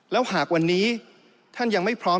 แล้วหากวันนี้ท่านยังไม่พร้อม